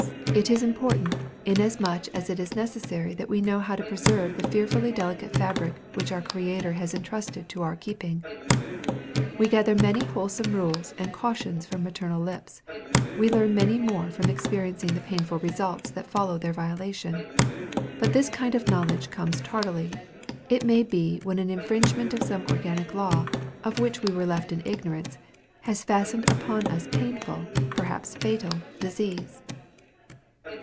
It is important, inasmuch as it is necessary that we know how to preserve the fearfully delicate fabric which our Creator has entrusted to our keeping. We gather many wholesome rules and cautions from maternal lips; we learn many more from experiencing the painful results that follow their violation. But this kind of knowledge comes tardily; it may be when an infringement of some organic law, of which we were left in ignorance, has fastened upon us painful, perhaps fatal, disease.